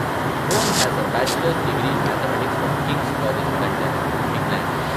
Bourne has a bachelor's degree in mathematics from King's College London, England.